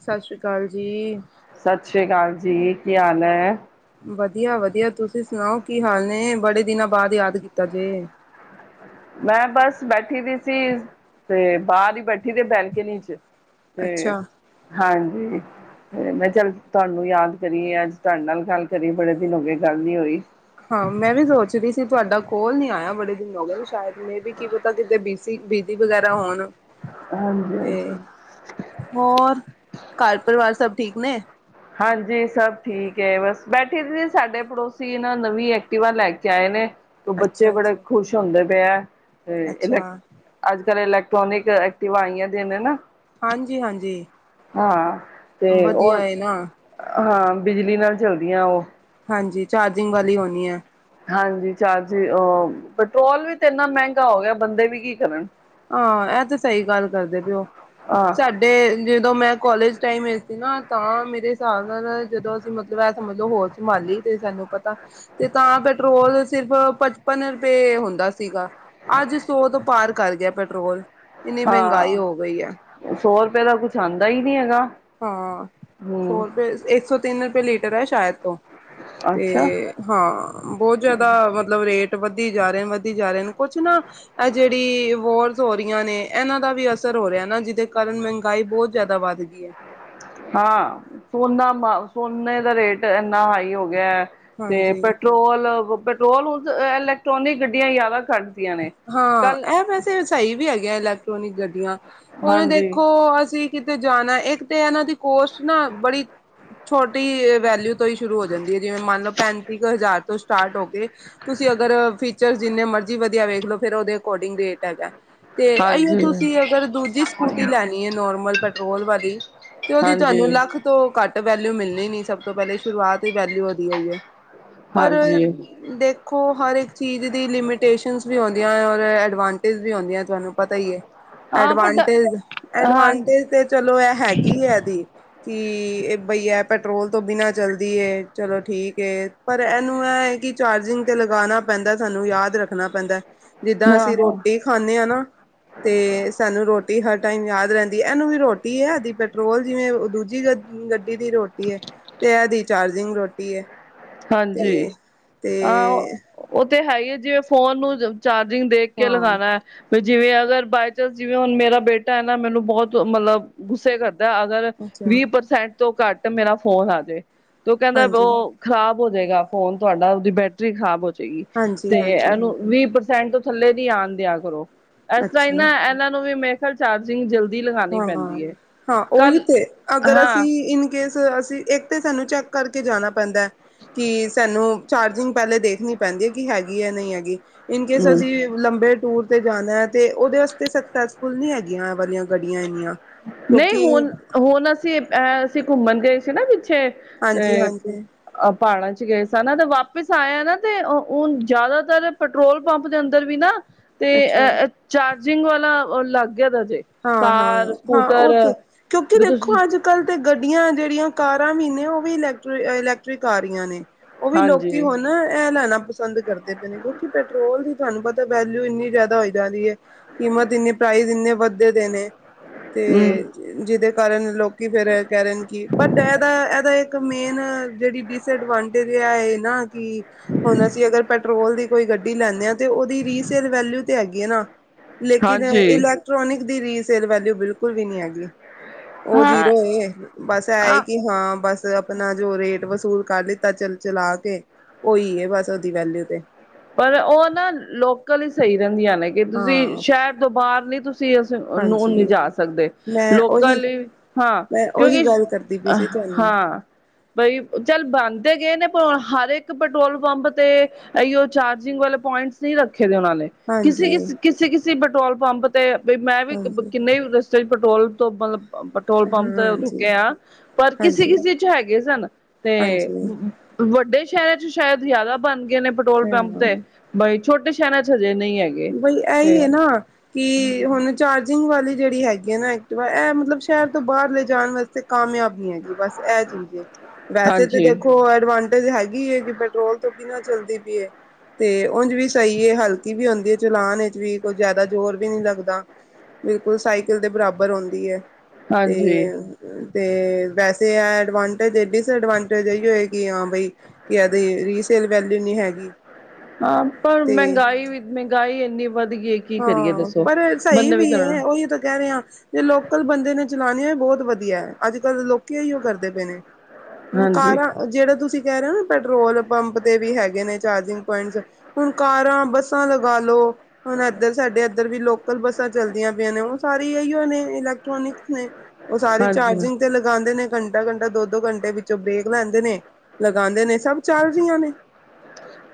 ਸਤਿ ਸ੍ਰੀ ਅਕਾਲ ਜੀ। ਸਤਿ ਸ੍ਰੀ ਅਕਾਲ ਜੀ। ਕੀ ਹਾਲ ਹੈ। ਵਧੀਆ ਵਧੀਆ ਤੁਸੀਂ ਸੁਣਾਓ ਕੀ ਹਾਲ ਨੇ ਬੜੇ ਦਿਨਾਂ ਬਾਅਦ ਯਾਦ ਕੀਤਾ ਜੇ ਮੈਂ ਬਸ ਬੈਠੀ ਦੀ ਸੀ ਤੇ ਬਾਹਰ ਹੀ ਬੈਠੀ ਦੇ ਬੈਲਕਨੀ ਚ ਤੇ ਅੱਛਾ। ਹਾਂਜੀ ਮੈਂ ਚੱਲ ਤੁਹਾਨੂੰ ਯਾਦ ਕਰੀਏ ਅੱਜ ਤੁਹਾਡੇ ਨਾਲ ਗੱਲ ਕਰੀਏ ਬੜੇ ਦਿਨ ਹੋ ਗਏ ਗੱਲ ਨੀ ਹੋਈ ਹਾਂ ਮੈਂ ਵੀ ਸੋਚਦੀ ਸੀ ਤੁਹਾਡਾ ਕੋਲ ਨੀ ਆਇਆ ਬੜੇ ਹੋ ਸ਼ਾਇਦ ਮੇ ਵੀ ਕੀ ਪਤਾ ਕਿਤੇ ਬੀਜੀ ਬੀ ਜੀ ਵਗੈਰਾ ਹੋਣ ਹਾਂਜੀ ਤੇ ਹਾਂਜੀ ਹੋਰ ਘਰ ਪਰਿਵਾਰ ਸਭ ਠੀਕ ਨੇ ਹਾਂਜੀ ਸਭ ਠੀਕ ਹੈ ਬਸ ਬੈਠੇ ਸੀ ਸਾਡੇ ਪੜੋਸੀ ਇਹ ਨਾ ਨਵੀਂ ਐਕਟੀਵਾ ਲੈ ਕੇ ਆਏ ਨੇ ਤੋਂ ਬੱਚੇ ਅੱਛਾ ਬੜੇ ਅੱਛਾ। ਖੁਸ਼ ਹੁੰਦੇ। ਪਏ ਐ। [unintelligible] ਅੱਛਾ ਅੱਜ ਕੱਲ ਇਲੈਕ ਟਰੋਨਿਕ ਐਕਟੀਵਾ ਆਈਆਂ [unintelligible] ਨਾ। ਹਾਂਜੀ ਹਾਂਜੀ ਹਾਂ ਤੇ ਵਧੀਆ ਉਹ ਹੈ ਨਾ। ਹਾਂ ਬਿਜਲੀ ਨਾਲ ਚੱਲਦੀਆਂ ਉਹ। ਹਾਂਜੀ ਚਾਰਜਿੰਗ ਵਾਲੀ ਹੋਣੀ ਹੈ। ਹਾਂਜੀ ਚਾਰਜ ਅ ਪੈਟਰੋਲ ਵੀ ਤੇ ਇੰਨਾ ਮਹਿੰਗਾ ਹੋ ਗਿਆ ਬੰਦੇ ਵੀ ਕੀ ਕਰਨ। ਹਾਂ ਇਹ ਤੇ ਸਹੀ ਗੱਲ ਕਰਦੇ ਪਏ ਉ ਹਾਂ ਸਾਡੇ ਜਦੋਂ ਮੈਂ ਕੋਲੇਜ ਟਾਈਮ ਵਿੱਚ ਨਾ ਤਾਂ ਮੇਰੇ ਹਿਸਾਬ ਨਾਲ ਜਦੋਂ ਅਸੀਂ ਮਤਲਬ ਐ ਘੁੰਮ ਲੋ ਹੋਰ ਮੋਹਾਲੀ ਤੇ ਸਾਨੂੰ ਪਤਾ ਤੇ ਤਾਂ ਪੈਟਰੋਲ ਸਿਰਫ ਪਚਪਨ ਰੁਪਏ ਹੁੰਦਾ ਸੀਗਾ ਅੱਜ ਸੌ ਤੋਂ ਪਾਰ ਕਰ ਗਿਆ ਪੈਟਰੋਲ ਇੰਨੀ ਮਹਿੰਗਾਈ ਹਾਂ ਹੋ ਗਈ ਹੈ। ਸੌ ਰੁਪਏ ਦਾ ਕੁਛ ਆਉਂਦਾ ਹੀ ਨਹੀਂ ਹੈਗਾ ਹੈ। ਹਾਂ ਸੌ ਰੁਪਏ ਇੱਕ ਸੌ ਤਿੰਨ ਰੁਪਏ ਲੀਟਰ ਹੈ ਸ਼ਹਿਰ ਤੋਂ ਤੇ ਅੱਛਾ ਹਾਂ ਬਹੁਤ ਜ਼ਿਆਦਾ ਮਤਲਬ ਰੇਟ ਵੱਧੀ ਜਾ ਰਹੇ ਨੇ ਵੱਧੀ ਜਾ ਰਹੇ ਨੇ ਕੁਛ ਨਾ ਐ ਜਿਹੜੀ ਵੋਲ ਤੋਂ ਹੋ ਰਹੀਆਂ ਨੇ ਇਹਨਾਂ ਦਾ ਵੀ ਅਸਰ ਹੋ ਰਿਹਾ ਨਾ ਜਿਹਦੇ ਕਾਰਨ ਮਹਿੰਗਾਈ ਬਹੁਤ ਜ਼ਿਆਦਾ ਵੱਧ ਗਈ ਹੈ। ਹਾਂ ਸੋਨਾ ਆਪਾ ਸੋਨੇ ਦਾ ਰੇਟ ਇੰਨਾ ਹਾਈ ਹੋ ਗਿਆ ਹੈ। ਤੇ ਹਾਂਜੀ ਪੈਟਰੋਲ ਪੈਟਰੋਲ ਹੁਣ ਤਾਂ ਇਲੈਕਟ੍ਰੋਨਿਕ ਗੱਡੀਆਂ ਜ਼ਿਆਦਾ ਕੱਢਦੀਆਂ ਨੇ ਹਾਂ ਕੱਲ ਇਹ ਵੈਸੇ ਸਹੀ ਵੀ ਹੈਗੀ। ਐ ਇਲੈਕਟ੍ਰੋਨਿਕ ਗੱਡੀਆਂ ਹੁਣ ਹਾਂਜੀ ਦੇਖੋ ਅਸੀਂ ਕਿਤੇ ਜਾਣਾ ਏ ਤੇ ਇਹਨਾਂ ਦੀ ਕੋਸਟ ਨਾ ਬੜੀ ਛੋਟੀ ਵੈਲਊ ਤੋਂ ਹੀ ਸ਼ੁਰੂ ਹੋ ਜਾਂਦੀ ਹੈ ਜਿਵੇਂ ਮੰਨ ਲਓ ਪੈਂਤੀ ਕੁ ਹਜ਼ਾਰ ਤੋਂ ਸਟਾਰਟ ਹੋ ਕੇ ਤੁਸੀਂ ਅਗਰ ਫੀਚਰ ਜਿੰਨੇ ਮਰਜ਼ੀ। ਮਰਜ਼ੀ ਵਧੀਆ ਵੇਖ ਲੋ ਫਿਰ ਉਹ ਦੇ ਅੋਰਡਿੰਗ ਰੇਟ ਹੈਗਾ। ਤੇ ਅਈਓ ਹਾਂਜੀ ਤੁਸੀਂ ਅਗਰ ਦੂਜੀ ਸਕੂਟੀ ਲੈਣੀ ਹੈ ਨੋਰਮਲ ਪੈਟਰੋਲ ਵਾਲੀ ਤੇ ਉਹਦੀ ਹਾਂਜੀ ਤੁਹਾਨੂੰ ਲੱਖ ਤੋਂ ਘੱਟ ਇਹ ਵੈਲਿਊ ਮਿਲਣੀ ਨੀ ਸਭ ਤੋਂ ਪਹਿਲੇ ਸ਼ੁਰੂਆਤ ਹੀ ਵੈਲਿਊ ਦੀ ਆਈ ਹੈ। ਪਰ ਹਾਂਜੀ ਦੇਖੋ ਹਰ ਇੱਕ ਚੀਜ਼ ਦੀ ਲਿਮਿਟ ਸਟੇਸ਼ਨ 'ਚ ਵੀ ਆਉਂਦੀਆਂ ਏ ਐਡਵਾਟੇਜ ਵੀ ਹੁੰਦੀ ਤੁਹਾਨੂੰ ਪਤਾ ਹੀ ਹੈ ਹਾਂ ਬਟ ਐਡਵਾਂਟੇਜ ਹਾਂ ਐਡਵਾਂਟੇਜ ਤੇ ਚਲੋ ਇਹ ਹੈਗੀ ਇਹਦੀ ਕਿ ਇਹ ਬਈ ਹੈ ਪੈਟਰੋਲ ਤੋਂ ਬਿਨਾਂ ਚੱਲਦੀ ਚਲੋ ਠੀਕ ਹੈ ਪਰ ਇਹਨੂੰ ਇਹ ਹੈ ਕਿ ਚਾਰਜਿੰਗ 'ਤੇ ਲਗਾਉਣਾ ਪੈਂਦਾ ਸਾਨੂੰ ਯਾਦ ਰੱਖਣਾ ਪੈਂਦਾ ਜਿੱਦਾਂ ਹਾਂ ਅਸੀਂ ਹਾਂ ਰੋਟੀ ਖਾਂਣੇ ਹਾਂ ਨਾ ਤੇ ਸਾਨੂੰ ਰੋਟੀ ਰੋਟੀ ਹਰ ਟਾਈਮ ਯਾਦ ਰਹਿੰਦੀ ਹੈ ਇਹਨੂੰ ਵੀ ਰੋਟੀ ਹੈ ਇਹਦੀ ਪੈਟਰੋਲ ਜਿਵੇਂ ਦੂਜੀ ਗ ਗੱਡੀ ਦੀ ਰੋਟੀ ਹੈ ਤੇ ਇਹਦੀ ਚਾਰਜਿੰਗ ਰੋਟੀ ਹੈ ਹਾਂਜੀ ਤੇ ਤੇ ਹਾਂ ਤੇ ਹੈ ਹੀਏ ਜਿਵੇਂ ਫੋਨ ਨੂੰ ਚਾਰਜਿੰਗ ਦੇਖ ਕੇ ਹਾਂ ਲਗਾਨਣਾ ਹੈ ਜਿਵੇਂ ਅਗਰ ਬਾਏ ਚਾਂਸ ਜਿਵੇਂ ਹੁਣ ਮੇਰਾ ਬੇਟਾ ਹੈ ਨਾ ਮੈਨੂੰ ਬਹੁਤ ਮਤਲਬ ਗੁੱਸੇ ਕਰਦਾ ਅਗਰ ਅੱਛਾ ਵੀਹ ਪ੍ਰਸੈਂਟ ਤੋਂ ਘੱਟ ਮੇਰਾ ਫੋਨ ਆਜੇ ਤੂੰ ਕਹਿੰਦਾ ਬ ਹਾਂਜੀ ਖਰਾਬ ਹੋ ਜਾਏਗਾ ਫੋਨ ਤੁਹਾਡਾ ਉਹਦੀ ਬੈਟਰੀ ਖਰਾਬ ਹੋ ਜਾ ਚ ਹਾਂਜੀ ਤੇ ਹਾਂਜੀ ਇਹਨੂੰ ਵੀਹ ਸੈਣ ਤੋਂ ਥੱਲੇ ਨੀ ਆਉਣ ਦਿਆ ਕਰੋ ਇਸ ਤਰ ਹੀ ਅੱਛਾ ਨਾ ਇਹਨਾਂ ਨੂੰ ਵੀ ਮੇ ਚਾਰਜਿੰਗ ਜਲਦੀ ਲਗਾਉਣੀ ਹਾਂ ਪੈਂਦੀ ਹੈ ਹਾਂ ਉਹੀ ਕੱਲ ਤੇ ਅਗਰ ਹਾਂ ਅਸੀਂ ਇਨ ਕੇਸ ਅਸੀਂ ਇੱਕ ਤੇ ਸਾਨੂੰ ਚੈੱਕ ਕਰਕੇ ਜਾਣਾ ਪੈਂਦਾ ਕਿ ਸਾਨੂੰ ਚਾਰਜਿੰਗ ਪਹਿਲੇ ਦੇਖਣੀ ਪੈਂਦੀ ਹੈ ਕਿ ਹੈਗੀ ਹੈ ਨਹੀਂ ਹੈਗੀ ਇਨਕੇਸ ਹਮ ਅਸੀਂ ਲੰਬੇ ਟੂਰ ਜਾਣਾ ਹੈ ਤੇ ਉਹਦੇ ਵਾਸਤੇ ਸਕਸੈਸਫੁਲ ਨੀ ਹੈਗੀਆਂ ਵਾਲੀਆਂ ਗੱਡੀਆਂ ਇਨੀਆਂ ਨਹੀਂ ਹੁਣ ਹੁਣ ਅਸੀਂ ਅਸੀਂ ਘੁੰਮਣ ਗਏ [inaudible] ਛੇ ਹਾਂਜੀ ਹਾਂਜੀ ਅ ਪਹਾੜਾਂ ਚ ਗਏ ਸ ਨਾ ਤੇ ਵਾਪਿਸ ਆਇਆ ਨਾ ਤੇ ਹੁਣ ਜ਼ਿਆਦਾਤਰ ਪੈਟਰੋਲ ਪੰਪ ਦੇ ਅੰਦਰ ਵੀ ਨਾ ਤੇ ਅੱਛਾ ਅ ਚਾਰਜਿੰਗ ਵਾਲਾ ਅਲੱਗ ਦਾ ਜੇ ਹਾਂ ਹਾਂ ਕਾਰ ਹਾਂ ਉਹ ਸਕੂਟਰ ਤੇ ਕਿਉਂਕਿ ਵੀ ਦੇਖੋ ਤੁਸੀਂ ਅੱਜ ਕੱਲ ਤੇ ਗੱਡੀਆਂ ਜਿਹੜੀਆਂ ਕਾਰਾਂ ਵੀ ਨੇ ਉਹ ਵੀ ਇਲੈਕਟ ਇਲੈਕਟ੍ਰਿਕ ਕਾਰੀਆਂ ਨੇ ਉਹ ਵੀ ਹਾਂਜੀ ਲੋਕੀ ਹੁਣ ਇਹ ਲੈਣਾ ਪਸੰਦ ਕਰਦੇ ਪਏ ਨੇ ਕਿਉਂਕਿ ਪੈਟਰੋਲ ਦੀ ਤੁਹਾਨੂੰ ਪਤਾ ਵੈਲਿਊ ਇੰਨੀ ਜ਼ਿਆਦਾ ਹੋ ਜਾਂਦੀ ਹੈ ਕੀਮਤ ਇੰਨੇ ਪ੍ਰਾਈਜ਼ ਇੰਨੇ ਵ ਦੇਦੇ ਨੇ ਹਮ ਤੇ ਜਿਹਦੇ ਕਰਨ ਲੋਕ ਫੇਰ ਕਹਿ ਰਹੇ ਨੇ ਕਿ ਬਟ ਇਹਦਾ ਇਹਦਾ ਇੱਕ ਮੇਨ ਜਿਹੜੀ ਅਡਵਾਂਟੇਜ ਏ ਆ ਨਾ ਕੀ ਪੈਟਰੋਲ ਦੀ ਕੋਈ ਗੱਡੀ ਲੈਂਦੇ ਹਾਂ। ਤੇ ਉਹਦੀ ਰੀਸੇਲ ਵੈਲਿਊ ਤੇ ਹੈਗੀ ਆ ਨਾ ਲੇਕਿਨ ਹਾਂਜੀ ਇਲੈਕਟ੍ਰੋਨਿਕ ਦੀ ਰੀਸੇਲ ਵੈਲਿਊ ਬਿਲਕੁਲ ਵੀ ਨੀ ਹੈਗੀ। ਉਹ ਹਾਂ ਜੀਰੋ ਐ ਬਸ ਐ ਏ ਆ ਕਿ ਹਾਂ ਬਸ ਆਪਣਾ ਜੋ ਰੇਟ ਵਸੂਲ ਕਰ ਲਿੱਤਾ ਚ ਚਲਾ ਕੇ ਉਹੀ ਹੈ ਬਸ ਉਹਦੀ ਵੈਲਿਊ ਤੇ ਪਰ ਉਹ ਨਾ ਲੋਕਲ ਹੀ ਸਹੀ ਰਹਿੰਦੀ ਹ [unintelligible] ਤੁਸੀਂ ਹਾਂ ਸ਼ਹਿਰ ਤੋਂ ਬਾਹਰ ਨੀ ਤੁਸੀਂ ਅਸੀਂ ਉਹਨੂੰ ਹਾਂਜੀ ਨਹੀਂ ਜਾ ਸਕਦੇ ਮੈਂ ਉਹੀ ਲੋਕਲ ਹਾਂ ਮੈਂ ਉਹੀ ਕਿਉਂਕਿ ਗੱਲ ਕਰਦੀ ਪਈ ਸੀ ਤੁਹਾਨੂੰ ਹਾਂ ਬਈ ਚੱਲ ਬੰਦ ਤੇ ਗਏ ਨੇ ਪ ਹਰ ਇੱਕ ਪੈਟਰੋਲ ਪੰਪ ਤੇ ਇਹੀਓ ਚਾਰਜਿੰਗ ਵਾਲੇ ਪੁਆਇੰਟਸ ਨਹੀਂ ਰੱਖੇ ਦੇ ਉਹਨਾਂ ਨੇ ਕਿਸੇ ਹਾਂਜੀ ਕਿਸੇ ਕਿਸੇ ਕਿਸੇ ਪੈਟਰੋਲ ਪੰਪ ਤੇ ਬਈ ਮੈਂ ਵੀ ਹਾਂਜੀ, ਕਿੰਨੇ ਰਸਤੇ ਪੈਟਰੋਲ ਤੋਂ ਮਤਲਬ ਪੈਟਰੋਲ ਹਾਂ, ਪੰਪ ਹਾਂਜੀ, ਰੁਕੇ ਆ ਪਰ ਕਿਸੇ ਹਾਂਜੀ, ਕਿਸੇ ਚ ਹੈਗੇ ਸਨ ਤੇ ਹਾਂਜੀ, ਵੱਡੇ ਸ਼ਹਿਰ ਚ ਸ਼ਾਇਦ ਜ਼ਿਆਦਾ ਬਣ ਗਏ ਨੇ ਪੰਪ ਤੇ ਹਾਂ। ਬਈ ਛੋਟੇ ਸ਼ਹਿਰਾਂ ਚ ਹਜੇ ਨਹੀਂ ਹੈਗੇ ਬਈ ਤੇ ਇਹੀ ਹੈ ਨਾ ਕਿ ਹੁਣ ਚਾਰਜਿੰਗ ਵਾਲੀ ਜਿਹੜੀ ਹੈਗੀ ਹੈ ਨਾ ਐਕਟਿਵਾ ਇਹ ਮਤਲਬ ਸ਼ਹਿਰ ਤੋਂ ਬਾਹਰ ਲੈ ਜਾਣ ਵਾਸਤੇ ਕਾਮਯਾਬ ਹੈਗੀ ਬਸ ਇਹ ਚੀਜ਼ ਵੈਸੇ ਤਾਂ ਹਾਂਜੀ ਦੇਖੋ ਐਡਵ ਵਾਂਟੇਜ ਹੈਗੀ ਹੈ ਕਿ ਪੈਟਰੋਲ ਤੋਂ ਬਿਨਾਂ ਚੱਲਦੀ ਪਈਏ ਤੇ ਉਂਝ ਵੀ ਸਹੀ ਹਲਕੀ ਵੀ ਆਉਂਦੀ ਚਲਾਣ ਵਿੱਚ ਵੀ ਕੋਈ ਜ਼ਿਆਦਾ ਜ਼ੋਰ ਵੀ ਨਹੀਂ ਲੱਗਦਾ ਬਿਲਕੁਲ ਸਾਈਕਲ ਦੇ ਬਰਾਬਰ ਆਉਂਦੀ ਐ ਤੇ ਹਾਂਜੀ ਅਤੇ ਵੈਸੇ ਆ ਐਡਵਾਂਟੇਜ ਡਿਸਐਡਵਾਂਟੇਜ ਇਹੀਓ ਹੋਏ ਕਿ ਹਾਂ ਬਈ ਕਿ ਇਹਦੀ ਰੀਸੇਲ ਵੈਲਿਊ ਨਹੀਂ ਹੈਗੀ। ਹਾਂ ਪਰ ਤੇ ਮਹਿੰਗਾਈ ਵੀ ਮਹਿੰਗਾਈ ਏ ਹਾਂ ਪਰ ਸਹੀ ਬੰਦਾ ਵੀ ਕਰਣਾ ਹੈ। ਉਹੀ ਤਾਂ ਕਹਿ ਰਿਹਾ ਜੇ ਲੋਕਲ ਬੰਦੇ ਨੇ ਚਲਾਨੀ ਹੋਏ ਬਹੁਤ ਵਧੀਆ ਹੈ। ਅੱਜ ਕੱਲ੍ਹ ਲੋਕੀ ਇਹੀਓ ਕਰਦੇ ਪਏ ਨੇ। ਹੁਣ ਹਾਂਜੀ ਕਾਰਾਂ ਜਿਹੜਾ ਤੁਸੀਂ ਕੇ ਹਰਾ ਪੈਟਰੋਲ ਪੰਪ ਦੇ ਵੀ ਹੈਗੇ ਗੇ ਨੇ ਚਾਰਜਿੰਗ ਪੁਆਇੰਟਸ ਹੁਣ ਕਾਰਾਂ ਬੱਸਾਂ ਲਗਾ ਲੋ। ਹੁਣ ਇੱਧਰ ਸਾਡੇ ਇੱਧਰ ਵੀ ਲੋਕਲ ਬੱਸਾਂ ਚੱਲਦੀਆਂ ਪਈਆਂ ਨੇ ਉਹ ਸਾਰੀ ਇਹੀ ਨੇ ਇਲੈਕਟ੍ਰੋਨਿਕਸ ਨੇ ਉਹ ਸਾਰੀ ਹਾਂਜੀ ਚਾਰਜਿੰਗ ਤੇ ਲਗਾਉਂਦੇ ਨੇ ਘੰਟਾ-ਘੰਟਾ ਦੋ ਦੋ ਘੰਟੇ ਵਿੱਚੋਂ ਬ੍ਰੇਕ ਲੈਂਦੇ ਨੇ ਲਗਾਉਂਦੇ ਨੇ ਸਭ ਚੱਲ ਰਹੀਆਂ ਨੇ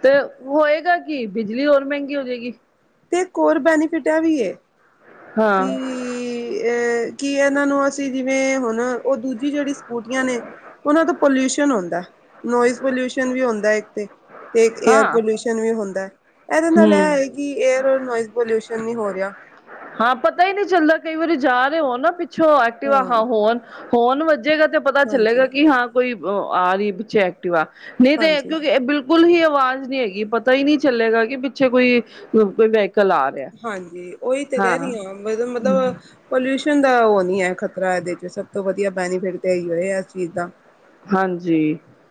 ਤੇ ਹੋਏਗਾ ਕੀ ਬਿਜਲੀ ਹੋਰ ਮਹਿੰਗੀ ਹੋ ਜਾਏਗੀ। ਤੇ ਇੱਕ ਹੋਰ ਬੈਨੀਫਿਟ ਹੈ ਵੀ ਇਹ ਹਾਂ ਕੀ ਅਹ ਕੀ ਇਹਨਾਂ ਨੂੰ ਅਸੀਂ ਜਿਵੇਂ ਹੁਣ ਉਹ ਦੂਜੀ ਜਿਹੜੀ ਸਕੂਟੀਆਂ ਨੇ ਉਹਨਾਂ ਤੋਂ ਪੋਲਿਊਸ਼ਨ ਹੁੰਦਾ ਨੋਇਸ ਪੋਲਿਊਸ਼ਨ ਵੀ ਹੁੰਦਾ ਇੱਕ ਤੇ ਤੇ ਏਅਰ ਹਾਂ ਪੋਲਿਊਸ਼ਨ ਵੀ ਹੁੰਦਾ। ਇਹਦੇ ਨਾਲ ਹਮ ਇਹ ਏ ਕਿ ਏਅਰ ਨੋਇਜ਼ ਪੋਲਿਊਸ਼ਨ ਨਹੀਂ ਹੋ ਰਿਹਾ। ਹਾਂ ਪਤਾ ਹੀ ਨਹੀਂ ਚੱਲਦਾ ਕਈ ਵਾਰੀ ਜਾ ਰਹੇ ਹੋ ਨਾ ਛੋ ਐਕਟੀਵਾ ਹਾਂ ਆਹਾ ਹੋੁਣ ਫੋਨ ਵੱਜੇਗਾ ਤੇ ਪਤਾ ਚੱਲੇਗਾ ਹਾਂਜੀ ਕਿ ਹਾਂ ਕੋਈ ਆਰੀ ਪਿੱਛੇ ਐਕਟੀਵਾ ਆ ਨਹੀਂ ਤੇ ਹਾਂਜੀ ਕਿਉਂਕਿ ਇਹ ਬਿਲਕੁਲ ਬਿਲਕੁਲ ਹੀ ਆਵਾਜ਼ ਨਹੀਂ ਹੈਗੀ ਪਤਾ ਹੀ ਨੀ ਚੱਲੇਗਾ। ਪਿੱਛੇ ਕੋਈ ਕੋਈ ਵ ਹਾਂਜੀ। ਉਹੀ ਤਾਂ ਕਹਿ ਰਹੀ ਹ ਮਤਲਬ ਪੋਲਿਊਸ਼ਨ ਦਾ ਉਹ ਨੀ ਹੈ ਖ਼ਤਰਾ ਇਹਦੇ ਚ ਸਭ ਤੋਂ ਵਧੀਆ ਬੈਨੀਫਿਟ ਤੇ ਇ ਹੀ ਹੋ ਇਸ ਚੀਜ਼ ਦਾ ਹਾਂਜੀ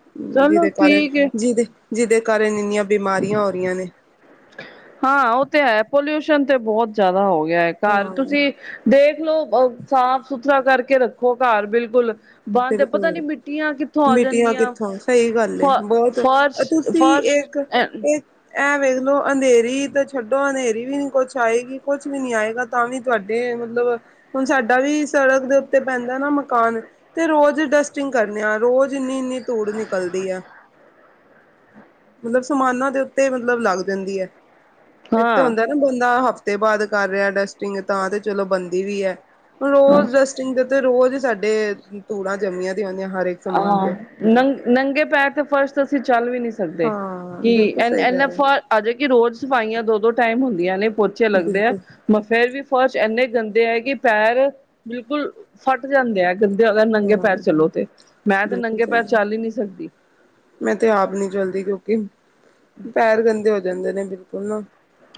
ਹੂੰ, ਚਲੋ ਜਿਹਦੇ ਕਾਰਨ ਠੀਕ ਹੈ। ਜਿਹਦੇ ਜਿਹਦੇ ਕਾਰਨ ਇੰਨੀਆਂ ਬਿਮਾਰੀਆਂ ਹੋ ਰਹੀਆਂ ਨੇ ਹਾਂ ਉਹ ਤੇ ਹੈ ਪੋਲਿਊਸ਼ਨ ਤੇ ਬਹੁਤ ਜ਼ਿਆਦਾ ਹੋ ਗਿਆ ਘਰ ਹਾਂ ਤੁਸੀਂ ਦੇਖ ਦੇਖਲੋ ਸਾਫ ਸੁਥਰਾ ਕਰਕੇ ਰੱਖੋ ਘਰ ਬਿਲਕੁਲ ਬੰਦ ਪਤਾ ਨੀ ਬਿਲਕੁਲ ਮਿੱਟੀਆਂ ਕਿੱਥੋਂ ਆ ਮਿਟੀਆਂ ਜਾਣਗੀਆਂ ਕਿੱਥੋਂ, ਸਹੀ ਗੱਲ ਫ ਏ, ਬਹੁਤ ਫਰਸ਼ ਤੁਸੀਂ ਫਰਸ਼ ਇੱਕ ਐ ਵੇਖ ਲਉ ਅੰਧੇਰੀ ਤਾਂ ਛੱਡੋ ਅੰਧੇਰੀ ਵੀ ਨੀ ਕੁਛ ਆਏਗੀ, ਕੁਛ ਵੀ ਨੀ ਆਏਗਾ, ਤਾਂ ਵੀ ਤੁਹਾਡੇ ਮਤਲਬ ਹੁਣ ਸਾਡਾ ਵੀ ਸੜਕ ਦੇ ਤੇ ਪੈਂਦਾ ਨਾ ਮਕਾਨ ਤੇ ਰੋਜ਼ ਡਸਟਿੰਗ ਕਰਨੇ ਆ, ਰੋਜ਼ ਇੰਨੀ ਇੰਨੀ ਧੂੜ ਨਿਕਲਦੀ ਆ, ਮਤਲਬ ਸਮਾਨਾਂ ਦੇ ਉੱਤੇ ਮਤਲਬ ਲੱਗ ਜਾਂਦੀ ਆ। ਇੱਕ ਤਾਂ ਹਾਂ ਹੁੰਦਾ ਨਾ ਬੰਦਾ ਹਫਤਾ ਤੇ ਬਾਅਦ ਕਰ ਰਿਹਾ ਡਸਟਿੰਗ, ਤਾਂ ਤੇ ਚਲੋ ਬਣਦੀ ਵੀ ਏ। ਹੁਣ ਰੋਜ਼ ਰੈਸਟਿੰਗ ਦੇ ਤੇ ਰੋਜ਼ ਸਾਡੇ ਧੂੜਾਂ ਜੰਮੀਆਂ ਦੀਆਂ ਹੁੰਦੀਆਂ ਹਰ ਇੱਕ ਸਮਾਨ ਆਹ ਤੇ ਨੰ ਨੰਗੇ ਪੈਰ ਤੇ ਫਰਸ਼ ਅਸੀਂ ਚੱਲ ਵੀ ਨਹੀਂ ਸਕਦੇ, ਹਾਂ ਕਿ ਬਿਲਕੁਲ ਐਨੇ ਸਹੀ ਕਹਿ ਐਨੇ ਰਹੇ ਫ ਹੋ ਹਜੇ ਕਿ ਰੋਜ਼ ਸਫਾਈਆਂ ਦੋ ਦੋ ਟਾਈਮ ਹੁੰਦੀਆਂ ਨੇ ਪੋਚੇ ਲੱਗਦੇ ਆ, ਬਿਲਕੁਲ ਫੇਰ ਵੀ ਫਰਸ਼ ਇੰਨੇ ਗੰਦੇ ਹੈ ਕਿ ਪੈਰ ਬਿਲਕੁਲ ਫੱਟ ਜਾਂਦੇ ਆ ਗੰਦੇ ਅਗਰ ਨੰਗੇ ਹਾਂ ਪੈਰ ਚਲੋ ਤੇ। ਮੈਂ ਤੇ ਬਿਲਕੁਲ ਨੰਗੇ ਸਹੀ, ਪੈਰ ਚੱਲ ਹੀ ਨਹੀਂ ਸਕਦੀ ਮੈਂ ਤੇ ਆਪ ਨੀ ਚਲਦੀ ਕਿਉਂਕਿ ਪੈਰ ਗੰਦੇ ਹੋ ਜਾਂਦੇ ਨੇ ਉਹਨਾਂ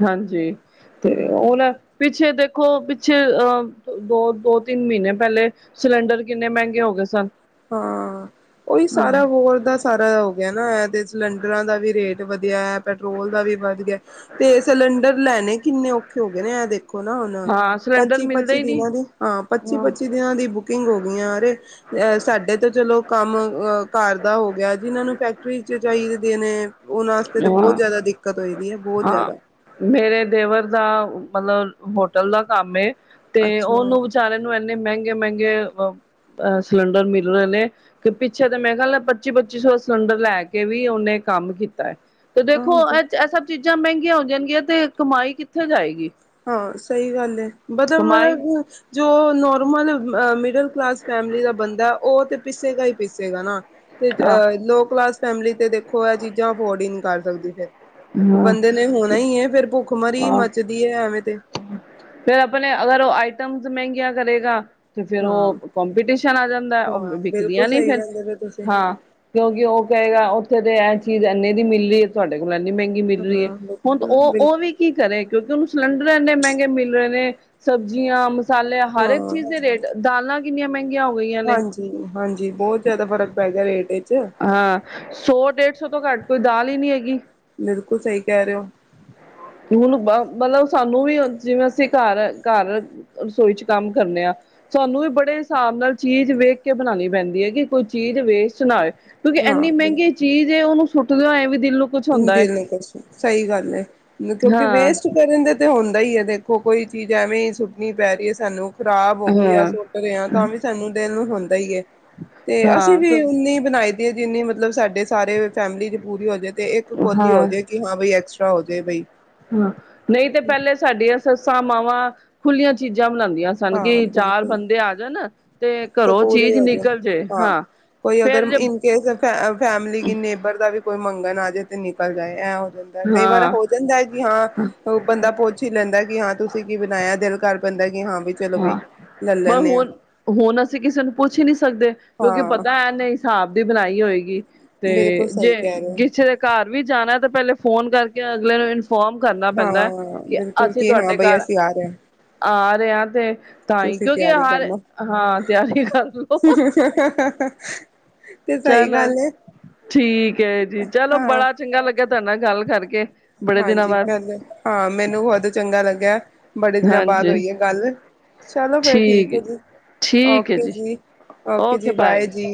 ਹਾਂਜੀ, ਤੇ ਉਹਨ ਪਿੱਛੇ ਦੇਖੋ ਪਿੱਛੇ ਅਹ ਦੋ ਦੋ ਤਿੰਨ ਮਹੀਨੇ ਪਹਿਲੇ ਸਿਲੰਡਰ ਕਿੰਨੇ ਮਹਿੰਗੇ ਹੋ ਗਏ ਸਨ। ਹਾਂ, ਉਹੀ ਸਾਰਾ ਹੋਰ ਦਾ ਸਾਰਾ ਹੋ ਗਿਆ ਨਾ ਇਹਦੇ ਚ ਸਿਲੰਡਰਾਂ ਦਾ ਵੀ ਰੇਟ ਵਧਿਆ ਐ, ਪੈਟਰੋਲ ਦਾ ਵੀ ਵੱਧ ਗਿਆ ਤੇ ਸਿਲੰਡਰ ਲੈਣੇ ਕਿੰਨੇ ਔਖੇ ਹੋ ਗਏ ਨੇ ਇਹ ਦੇਖੋ ਨਾ ਹੁਣ, ਹਾਂ ਸਿਲੰਡਰ ਪੱਚੀ ਮਿਲਦੇ ਪੱਚੀ ਹੀ ਨਹੀਂ ਦਿਨਾਂ ਦੀ ਹਾਂ, ਪੱਚੀ ਪੱਚੀ ਦਿਨਾਂ ਦੀ ਬੁਕਿੰਗ ਹੋ ਗਈਆਂ ਅਰੇ ਸਾਡੇ ਤੋਂ ਚਲੋ ਕੰਮ ਅਹ ਘਰ ਦਾ ਹੋ ਗਿਆ, ਜਿਨਾਂ ਨੂੰ ਫੈਕਟਰੀ ਚ ਚਾਹੀ [unintelligible] ਹਾਂ, ਬਹੁਤ ਹਾਂ, ਜ਼ਿਆਦਾ ਮੇਰੇ ਦੇਵਰ ਦਾ ਮਤਲਬ ਹੋਟਲ ਦਾ ਕੰਮ ਏ। ਤੇ ਅੱਛਾ ਉਹਨੂੰ ਵਿਚਾਰੇ ਨੂੰ ਇੰਨੇ ਮਹਿੰਗੇ ਮਹਿੰਗੇ ਅ ਸਿਲੰਡਰ ਮਿਲ ਰਹੇ ਨੇ, ਤੇ ਪਿੱਛੇ ਤਾਂ ਮੇਰੇ ਖਿਆਲ ਪੱਚੀ ਪੱਚੀ ਸੌ ਸਿਲੰਡਰ ਲੈ ਕੇ ਵੀ ਉਹਨੇ ਕੰਮ [unintelligible] ਤੇ ਦੇਖੋ, ਹਾਂ ਤੇ ਇਹ ਸਭ ਚੀਜ਼ ਚੀਜ਼ਾਂ ਮਹਿੰਗੀਆਂ ਹੋ ਜਾਣਗੀਆਂ ਤੇ ਕਮਾਈ ਕਿੱਥੇ ਜਾਏਗੀ। ਹਾਂ, ਸਹੀ ਗੱਲ ਏ। ਮਤਲਵ ਕਮਾਈ ਮਤਲਵ ਜੋ ਨੋਰਮਲ ਮਿਡਲ ਕਲਾਸ ਫੈਮਲੀ ਦਾ ਬੰਦਾ ਉਹ ਤਾਂ ਪਿਸੇਗਾ ਹੀ ਪਿਸੇਗਾ ਨਾ ਤੇ ਆਹ ਅ ਲੋ ਕਲਾਸ ਫੈਮਲੀ ਤੇ ਦੇਖੋ, ਇਹ ਚੀਜ਼ਾਂ ਅਫੋਰਡ ਹੀ ਨ ਕਰ ਸਕਦੀ ਫੇਰ। ਹਾਂ ਬੰਦੇ ਨੇ ਹੋਣਾ ਹੀ ਫੇਰ ਭੁੱਖ ਮਰੀ ਮੱਚਦੀ ਏ ਆ ਤੇ ਫੇਰ ਆਪਣੇ ਅਗਰ ਉਹ ਆਈਟਮਸ ਮਹਿੰਗੀਆਂ ਕਰੇਗਾ ਤੇ ਫਿਰ ਹਾਂ ਉਹ ਕਪੀਟੀਸ਼ਨ ਆ ਜਾਂਦਾ, ਉਹ ਹਾਂ ਬਿਲਕੁਲ ਵਿਕਦੀਆਂ ਨੀ ਸਹੀ ਫਿਰ ਕਹਿੰਦੇ ਪਏ ਤੁਸੀਂ ਹਾਂ, ਕਿਉਂਕਿ ਉਹ ਕਹੇਗਾ ਉੱਥੇ ਤੇ ਚੀਜ਼ ਇੰਨੇ ਦੀ ਮਿਲ ਰਹੀ ਹੈ ਤੁਹਾਡੇ ਕੋਲ ਏਨੀ ਮਹਿੰਗੀ ਮਿਲ ਰਹੀ ਹੈ, ਹਾਂ ਹੁਣ ਬਿਲਕੁਲ ਔਹ, ਔਹ ਬਿਲਕੁਲ ਵੀ ਕੀ ਕਰੇ ਕਿਉਂਕਿ ਉਹਨੂੰ ਸਿਲੰਡਰ ਇਨ੍ਹੇ ਮਹਿੰਗੇ ਮਿਲ ਰਹੇ ਨੇ, ਸਬਜ਼ੀਆਂ ਮਸਾਲੇ, ਹਰ ਇੱਕ ਚੀਜ਼ ਹਾਂ ਦੇ ਰੇਟ ਦਾਲਾਂ ਕਿਨੀਆਂ ਮਹਂ ਹਾਂਜੀ, ਹਾਂਜੀ, ਬਹੁਤ ਜ਼ਿਆਦਾ ਫ਼ਰਕ ਪੈ ਗਿਆ ਰੇਟ ਆਹ, ਸੌ-ਡੇਢ ਸੌ ਤੋਂ ਘੱਟ ਕੋਈ ਦਾਲ ਹੀ ਨਹੀਂ ਹੈਗੀ। ਬਿਲਕੁਲ ਸਹੀ ਕਹਿ ਰਹੇ ਓ। ਮਤਲਵ ਸਾਨੂੰ ਵੀ, ਜਿਵੇਂ ਅਸੀਂ ਘਰ-ਘਰ ਰਸੋਈ ਚ ਕੰਮ ਕਰਨੇ ਹਾਂ, ਸਾਨੂੰ ਵੀ ਬੜੇ ਹਿਸਾਬ ਨਾਲ ਚੀਜ਼ ਵੇਖ ਕੇ ਬਣਾਣੀ ਪੈਂਦੀ ਹੈ ਕਿ ਕੋਈ ਚੀਜ਼ ਵੇਸਟ ਨਾ ਹੋਏ। ਕਿਉਂਕਿ ਹਾਂ ਇੰਨੀ ਮਹਿੰਗੀ ਚੀਜ਼ ਏ, ਉਹਨੂੰ ਟੁੱਟਦੇ ਹੋਏ ਵੀ ਦਿਲ ਨੂੰ ਕੁਛ ਹੁੰਦਾ ਹੈ ਦਿਲ ਨ ਕੁਛ, ਸਹੀ ਗੱਲ ਏ, ਕਿਉਂਕਿ ਹਾਂ ਵੇਸਟ ਕਰਨ ਦੇ ਤੇ ਹੁੰਦਾ ਹੀ ਏ, ਦੇਖੋ ਕੋਈ ਚੀਜ਼ ਐਵੇਂ ਹੀ ਸੁੱਟਣੀ ਪੈ ਰਹੀ ਹੈ ਸਾਨੂੰ ਖ਼ਰਾਬ ਹੋ ਗਈ ਆ, ਹਾਂ ਸੁੱਟ ਰਹੇ ਹਾ, ਤਾਂ ਵੀ ਸਾਨੂੰ ਦਿਲ ਨੂੰ ਹੁੰਦਾ ਈ ਏ। ਤੇ ਅਸੀਂ ਵੀ ਹਾਂ ਉਨੀ ਬਣਾਈ ਜਿੰਨੀ ਮਤਲਬ ਸਾਡੇ ਸਾਰੇ ਫੈਮਿਲੀ ਚ ਪੂਰੀ ਹੋ ਜਾਵੇ ਤੇ ਇੱਕ ਕੋਲੀ ਹੋ ਹਾਂ ਜਾਏ ਕਿ ਹਾਂ ਬ ਐਕ ਹੋ ਜਾਵੇ ਬਈ। ਹਾਂ, ਨਹੀਂ ਤੇ ਪਹਿਲੇ ਸਾਡੀਆਂ ਸੱਸਾਂ-ਮਾਵਾਂ ਖੁੱਲੀਆਂ ਚੀਜ਼ਾਂ ਬਣਾਉਂਦੀਆਂ ਸਨ ਹਾਂ ਕਿ ਚਾਰ ਬਿਲਕੁਲ ਬੰਦੇ ਆ ਜਾਣ ਤੇ ਘਰੋਂ ਪੂਰੇ ਚੀਜ਼ ਹੋਜੇ, ਨਿਕਲ ਜੇ ਹਾਂ, ਕੋਈ ਫੇਰ ਅਗਰ ਜੇ ਇਨਕੇਸ ਫ ਫੈਮਲੀ ਨੇਬਰ ਦਾ ਵੀ ਕੋਈ ਮੰਗ ਆ ਜੇ ਤੇ ਨਿਕਲ ਜਾਏ ਇਹ ਜਾਂਦਾ, ਕਈ ਵਾਰ ਹਾਂ ਹੋ ਜਾਂਦਾ ਕਿ ਹਾਂ ਬੰਦਾ ਪੁੱਛ ਹੀ ਲੈਂਦਾ, ਕਿ ਹਾਂ ਤੁਸੀਂ ਕੀ ਬਣਾਇਆ? ਦਿਲ ਕਰ ਪੈਂਦਾ ਹਾਂ ਵੀ ਚਲੋ ਬਈ, ਹਾਂ ਲੈ ਪਰ ਲੈਨੇ ਆ। ਹੁਣ ਹੁਣ ਅਸੀਂ ਕਿਸੇ ਨੂੰ ਪੁੱਛ ਹੀ ਨਹੀਂ ਸਕਦੇ ਕਿਉਂਕਿ ਪਤਾ ਏਨ੍ਹੇ ਹਿਸਾਬ ਦੀ ਬਣਾਈ ਹੋਏਗੀ। ਤੇ ਬਿਲਕੁਲ ਸਹੀ ਜੇ ਕਹਿ ਰਹੇ ਹੋ ਕਿਸੇ ਦੇ ਘਰ ਵੀ ਜਾਣਾ ਤਾਂ ਪਹਿਲੇ ਫੋਨ ਕਰਕੇ ਅਗਲੇ ਨੂੰ ਫੋਮ ਕਰਨਾ ਪੈਂਦਾ ਹਾਂ ਕਿ ਬਿਲਕੁਲ ਅਸੀਂ ਕਿ ਹਾਂ ਤੁਹਾਡੇ ਬਈ ਘਰ ਅਸੀਂ ਆ ਰਹੇ ਹਾਂ ਆ ਰਹੇ ਆ। ਤਾਂ ਹੀ ਤੁਸੀਂ ਕਿਉਂਕਿ ਤਿਆਰੀ ਹਰ ਕਰਨਾ ਹਾਂ। ਤਿਆਰੀ ਕਰ ਲਓ। ਤੇ ਸਹੀ ਚਲੋ ਗੱਲ ਹੈ ਠੀਕ ਹੈ ਜੀ, ਚਲੋ ਹਾਂ ਬੜਾ ਚੰਗਾ ਲੱਗਿਆ ਤੁਹਾਨ ਗੱਲ ਕਰਕੇ ਬੜੇ ਦਿਨਾਂ ਹਾਂਜੀ, ਬਾਅਦ ਮ ਹਾਂ ਮੈਨੂੰ ਬਹੁਤ ਚੰਗਾ ਲੱਗਿਆ। ਬੜੇ ਦਿਨਾਂ ਬਾਦ ਹਾਂਜੀ ਹੋਈ ਹੈ ਗੱਲ, ਚਲੋ, ਫਿਰ ਠੀਕ ਹੈ ਜੀ, ਠੀਕ ਹੈ ਓਕੇ ਜੀ, ਓਕੇ ਜੀ, ਬਾਏ ਜੀ।